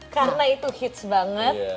karena itu hits banget